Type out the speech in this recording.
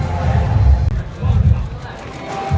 สโลแมคริปราบาล